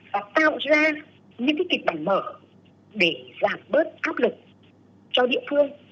và tạo ra những cái kịch bản mở để giảm bớt áp lực cho địa phương